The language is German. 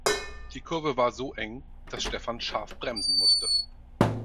Die Kurve war so eng, dass Stefan scharf bremsen musste.